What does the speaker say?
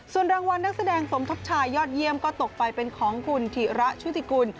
ส่วนรางวัลนักแสดงสมทบชายยอดเยี่ยมก็ตกไปเป็นของคุณธิระชุติกุล